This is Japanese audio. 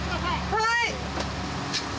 はい！